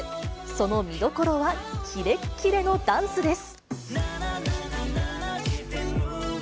その見どころはキレッキレのダンスです。